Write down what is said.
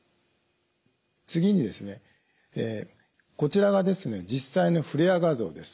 次にですねこちらがですね実際のフレアー画像です。